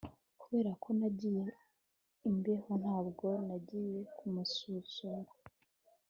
Kubera ko nagize imbeho ntabwo nagiye kumusura